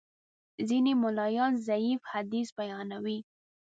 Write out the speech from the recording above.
ځینې ملایان ضعیف حدیث بیانوي.